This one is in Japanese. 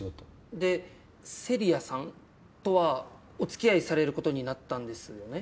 で聖里矢さんとはお付き合いされることになったんですよね？